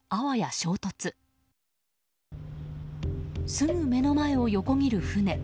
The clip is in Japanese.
すぐ目の前を横切る船。